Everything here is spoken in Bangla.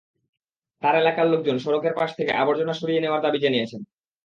তাঁর এলাকার লোকজন সড়কের পাশ থেকে আবর্জনা সরিয়ে নেওয়ার দাবি জানিয়েছেন।